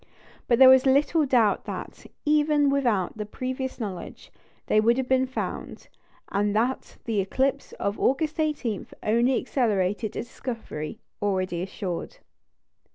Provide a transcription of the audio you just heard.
But there is little doubt that, even without that previous knowledge, they would have been found; and that the eclipse of August 18 only accelerated a discovery already assured.